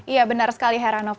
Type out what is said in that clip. iya benar sekali heranov